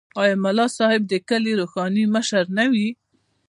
آیا ملا صاحب د کلي روحاني مشر نه وي؟